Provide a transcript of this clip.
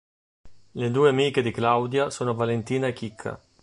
Le due amiche di Claudia sono Valentina e Chicca.